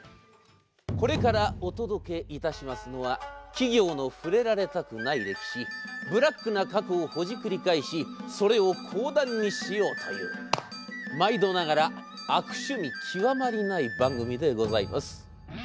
これからお届けいたしますのは企業の触れられたくない歴史ブラックな過去をほじくり返しそれを講談にしようという毎度ながら悪趣味極まりない番組でございます。